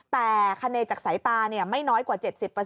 แต่คเนจากสายตาไม่น้อยกว่า๗๐